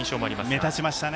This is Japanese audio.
目立ちました。